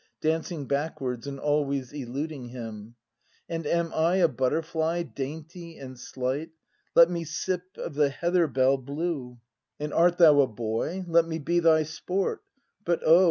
[Dancing backwards and always eluding him.] And am I a butterfly, dainty and slight. Let me sip of the heather bell blue, And art thou a boy, let me be thy sport, But oh!